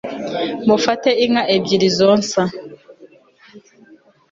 mufate inka ebyiri zonsa